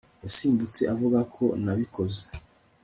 Yasimbutse avuga ko nabikoze